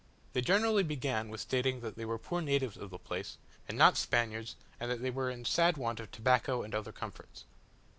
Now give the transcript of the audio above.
They generally began with stating that they were poor natives of the place, and not Spaniards and that they were in sad want of tobacco and other comforts.